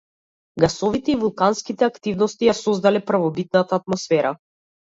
Гасовите и вулканските активности ја создале првобитната атмосфера.